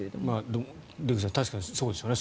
でも、出口さん確かにそうでしょうね。